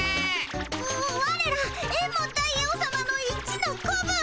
ワレらエンマ大王さまの一の子分！